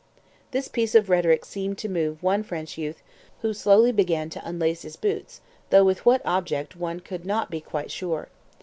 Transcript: This piece of rhetoric seemed to move one French youth, who slowly began to unlace his boots, though with what object one could not be quite sure.